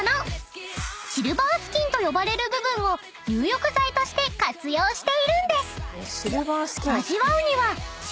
［シルバースキンと呼ばれる部分を入浴剤として活用しているんです］